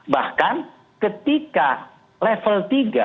bahkan ketika level tiga